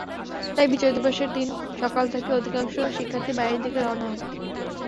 তাই বিজয় দিবসের দিন সকাল থেকে অধিকাংশ শিক্ষার্থী বাড়ির দিকে রওনা হন।